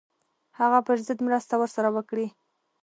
هغه پر ضد مرسته ورسره وکړي.